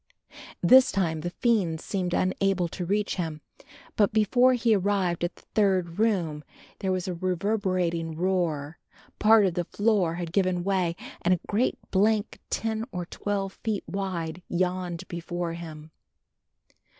This time the fiends seemed unable to reach him, but before he arrived at the third room there was a reverberating roar, part of the floor had given way and a great blank ten or twelve feet wide yawned before him.